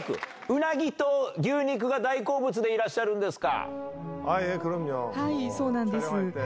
うなぎと牛肉が大好物でいらっしゃるんですか？